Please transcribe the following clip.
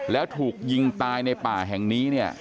แล้วถูกยิงตายในป่าแห่งนี้เนี่ย